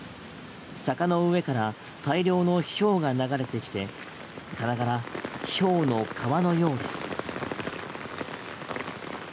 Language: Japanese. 坂の上から大量のひょうが流れてきてさながらひょうの川のようです。